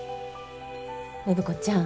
暢子ちゃん